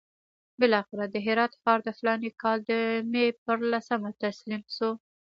بالاخره د هرات ښار د فلاني کال د مې پر لسمه تسلیم شو.